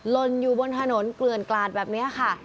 ลนอยู่บนถนนเกลือนกลาดแบบนี้ค่ะ